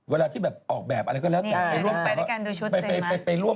เวลาที่ออกแบบอะไรก็แล้ว